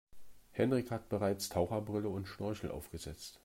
Henrik hat bereits Taucherbrille und Schnorchel aufgesetzt.